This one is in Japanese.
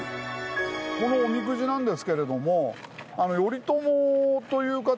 このおみくじなんですけれども。